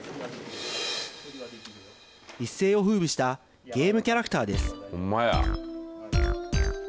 一世をふうびしたゲームキャラクターです。